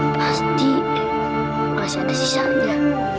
pasti masih ada sisanya